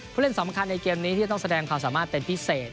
ผู้เล่นสำคัญในเกมนี้ที่จะต้องแสดงความสามารถเป็นพิเศษ